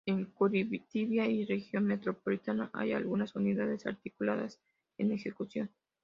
En Curitiba y Región Metropolitana hay algunas unidades articuladas en ejecución.